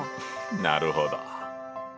なるほど！